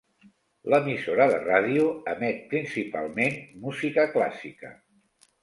L'emissora de ràdio emet principalment música clàssica.